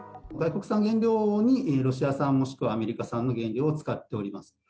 外国産原料にロシア産もしくはアメリカ産の原料を使っております。